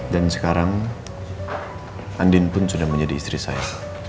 dan sekarang andin pun sudah menjadi istri saya